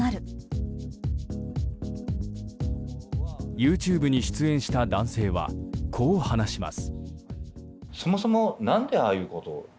ＹｏｕＴｕｂｅに出演した男性は、こう話します。